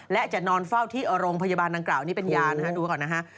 และจะนอนเฝ้าที่โรงพยาบาลดังกล่าวนี้เป็นยานะฮะดูก่อนนะฮะ